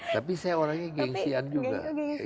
tapi saya orangnya gengsian juga